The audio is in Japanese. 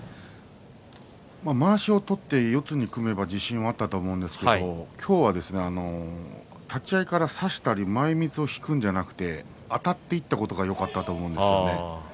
まわしを取って四つに組めば自信はあったと思うんですが今日は立ち合いから差したり前みつを引くんじゃなくてあたっていったのがよかったと思うんですよね。